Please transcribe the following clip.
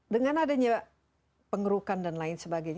dengan adanya pengerukan dan lain sebagainya